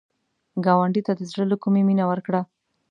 ګاونډي ته د زړه له کومي مینه ورکړه